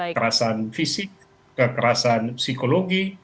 kekerasan fisik kekerasan psikologi